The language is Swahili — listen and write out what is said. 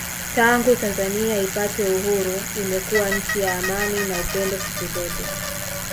Tangu Tanzania ipate Uhuru imekuwa nchi ya amani na upendo siku zote